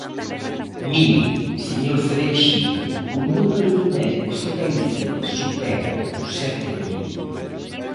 Mire, señor Cereixido, o número de médicos en Galicia supera os sete mil.